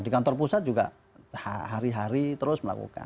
di kantor pusat juga hari hari terus melakukan